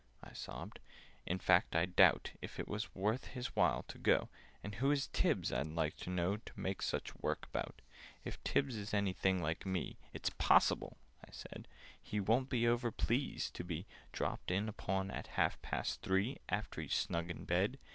I sobbed. "In fact, I doubt If it was worth his while to go— And who is Tibbs, I'd like to know, To make such work about? "If Tibbs is anything like me, It's possible," I said, "He won't be over pleased to be Dropped in upon at half past three, After he's snug in bed.